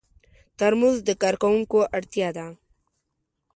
ترموز د کارکوونکو اړتیا ده.